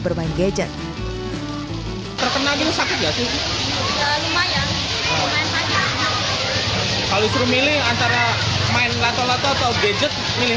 bermain gadget terkena jenis sakit nggak sih lumayan kalau disuruh milih antara main lato lato atau gadget milih